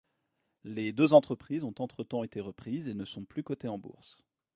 Les deux entreprises ont entre-temps été reprises et ne sont plus cotées en bourse.